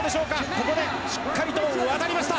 ここでしっかりと渡りました。